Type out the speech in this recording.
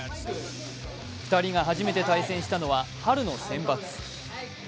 ２人が初めて対戦したのは春のセンバツ。